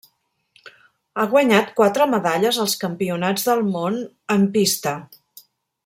Ha guanyat quatre medalles als Campionats del món en pista.